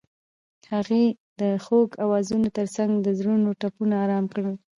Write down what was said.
هغې د خوږ اوازونو ترڅنګ د زړونو ټپونه آرام کړل.